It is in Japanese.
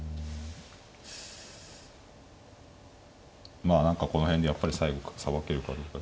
まあ何かこの辺でやっぱり最後さばけるかどうかで。